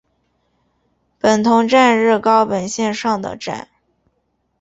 本桐站日高本线上的站。